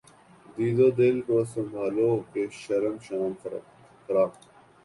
دیدہ و دل کو سنبھالو کہ سر شام فراق